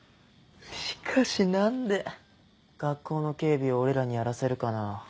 しかし何で学校の警備を俺らにやらせるかな。